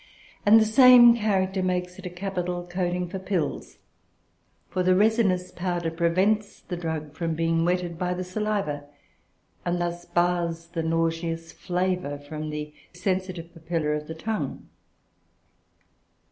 And the same character makes it a capital coating for pills; for the resinous powder prevents the drug from being wetted by the saliva, and thus bars the nauseous flavour from the sensitive papilla; of the tongue.